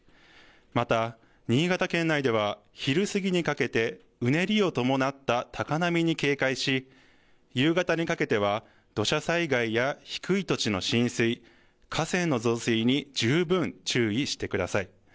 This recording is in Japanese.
また、新潟県内では昼過ぎにかけてうねりを伴った高波に警戒し夕方にかけては土砂災害や低い土地の浸水河川の増水に十分注意してください。